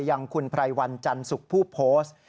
ยังคุณไพรวันจันทร์สุขผู้โพสต์